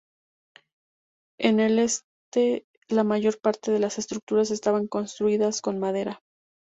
En el este la mayor parte de las estructuras estaban construidas con madera.